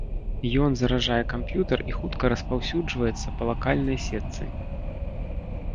Ён заражае камп'ютар і хутка распаўсюджваецца па лакальнай сетцы.